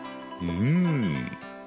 うん。